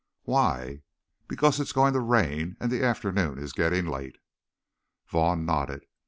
"Why?" "Because it is going to rain and the afternoon is getting late." Vaughn nodded.